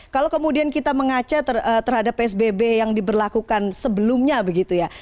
kalau kemudian kita mengaca terhadap psbb yang diberlakukan sebelumnya begitu ya